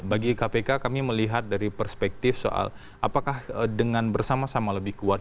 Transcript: bagi kpk kami melihat dari perspektif soal apakah dengan bersama sama lebih kuat